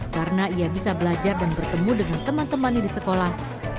karena ia bisa belajar dan bertemu dengan teman temannya di sekolah